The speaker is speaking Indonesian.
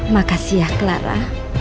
makasih ya clara